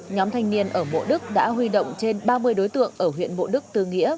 nhóm thanh niên ở bộ đức đã huy động trên ba mươi đối tượng ở huyện bộ đức tư nghĩa